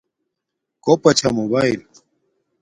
کوپا چھا موباݵل